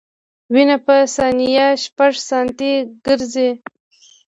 وینه په ثانیه شپږ سانتي ګرځي.